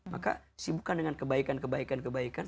maka sibukkan dengan kebaikan kebaikan kebaikan